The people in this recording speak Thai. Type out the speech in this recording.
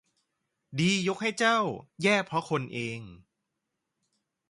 ดียกให้เจ้า แย่เพราะคนเอง